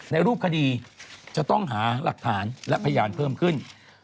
ในรูปคดีจะต้องหาหลักฐานและพยานเพิ่มขึ้น